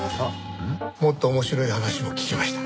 もっと面白い話も聞けました。